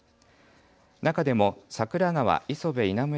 中でも櫻川磯部稲村